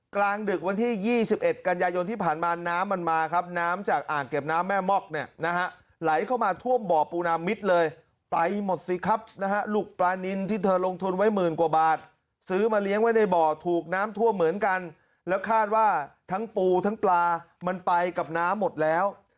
กลางดึกวันที่๒๑กันยายนที่ผ่านมาน้ำมันมาครับน้ำจากอ่างเก็บน้ำแม่มอกเนี่ยนะฮะไหลเข้ามาท่วมบ่อปูนามิตรเลยไปหมดสิครับนะฮะลูกปลานินที่เธอลงทุนไว้หมื่นกว่าบาทซื้อมาเลี้ยงไว้ในบ่อถูกน้ำท่วมเหมือนกันแล้วคาดว่าทั้งปูทั้งปลามันไปกับน้ำหมดแล้ว